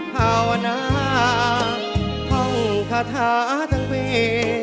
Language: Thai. ภาวนาท้องคาทะทั้งวี